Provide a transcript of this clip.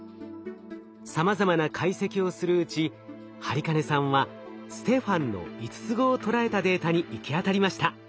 さまざまな解析をするうち播金さんはステファンの５つ子を捉えたデータに行き当たりました。